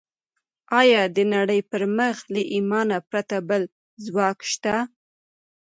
ايا د نړۍ پر مخ له ايمانه پرته بل ځواک شته؟